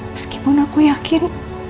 meskipun aku yakin